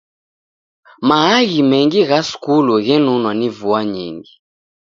Maaghi mengi gha skulu ghenonwa ni vua nyingi.